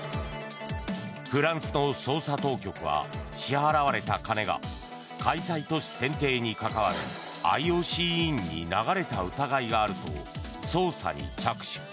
フランスの捜査当局は支払われた金が開催都市選定に関わるＩＯＣ委員に流れた疑いがあると捜査に着手。